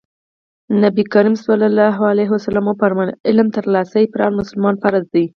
نبي کريم ص وفرمايل علم ترلاسی په هر مسلمان فرض دی.